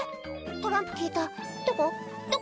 トランプ消えたどこ？